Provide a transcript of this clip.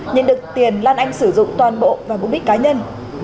nhận được tiền lan anh sử dụng toàn bộ và mũ bích cá nhân